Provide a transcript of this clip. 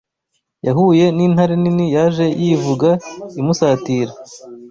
yahuye n’intare nini yaje yivuga imusatira.